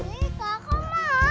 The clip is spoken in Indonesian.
nih kakak mau